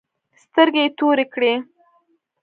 سترگې يې تورې کړې.